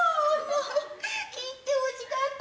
切ってほしかった。